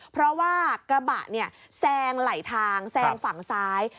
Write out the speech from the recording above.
เพราะว่ากระบะเนี่ยแซงไหลทางแซงฝั่งซ้าย